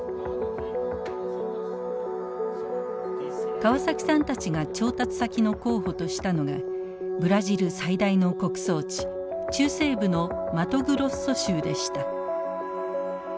川崎さんたちが調達先の候補としたのがブラジル最大の穀倉地中西部のマトグロッソ州でした。